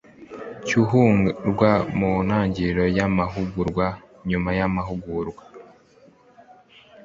Cy uhugurwa mu ntangiriro y amahugurwa nyuma y amahugurwa